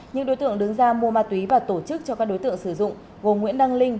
những đối tượng đứng ra mua ma túy và tổ chức cho các đối tượng sử dụng gồm nguyễn đăng linh